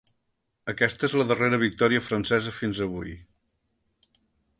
Aquesta és la darrera victòria francesa fins avui.